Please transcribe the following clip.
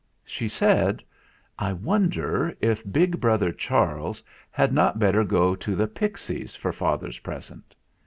She said: "I wonder if big brother Charles had not better go to the Pixies for father's present."